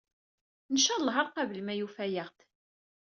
Ncalleh ar qabel ma yufa-yaɣ-d.